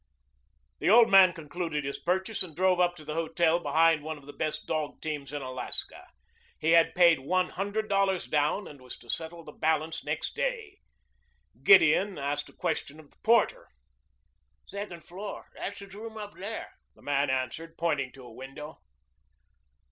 The old man concluded his purchase and drove up to the hotel behind one of the best dog teams in Alaska. He had paid one hundred dollars down and was to settle the balance next day. Gideon asked a question of the porter. "Second floor. That's his room up there," the man answered, pointing to a window.